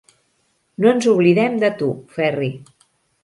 No ens oblidem de tu, Ferri.